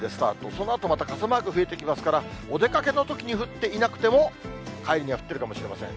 そのあとまた傘マーク増えてきますから、お出かけのときに降っていなくても、帰りには降っているかもしれません。